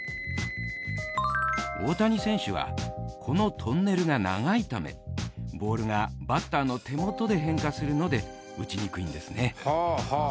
［大谷選手はこのトンネルが長いためボールがバッターの手元で変化するので打ちにくいんですね］